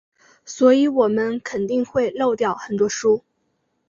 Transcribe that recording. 所以我们肯定会漏掉很多书。